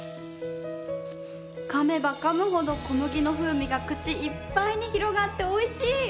噛めば噛むほど小麦の風味が口いっぱいに広がっておいしい。